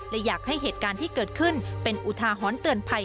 และอยากให้เหตุการณ์ที่เกิดขึ้นเป็นอุทาหรณ์เตือนภัย